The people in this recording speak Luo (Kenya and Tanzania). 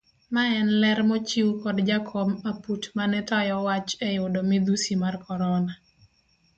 Maen ler mochiw kod jakom aput mane tayo wach eyudo midhusi mar korona.